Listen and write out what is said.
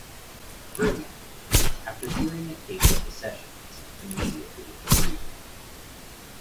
Brodian, after hearing a tape of the sessions, immediately agreed.